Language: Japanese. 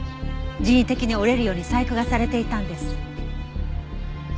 人為的に折れるように細工がされていたんです。